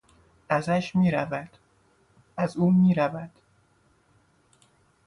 ازش میرود. از او میرود.